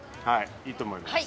いいと思います。